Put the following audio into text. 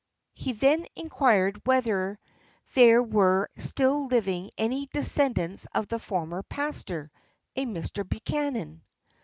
He then inquired whether there were still living any descendants of the former pastor, a Mr Buchman.